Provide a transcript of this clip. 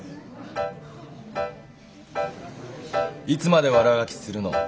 いつまで悪あがきするの？